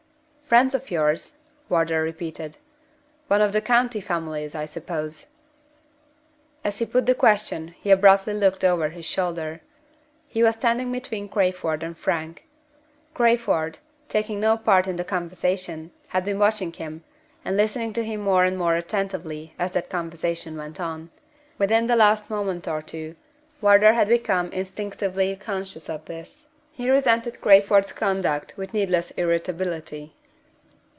"Friends of yours?" Wardour repeated. "One of the county families, I suppose?" As he put the question, he abruptly looked over his shoulder. He was standing between Crayford and Frank. Crayford, taking no part in the conversation, had been watching him, and listening to him more and more attentively as that conversation went on. Within the last moment or two Wardour had become instinctively conscious of this. He resented Crayford's conduct with needless irritability.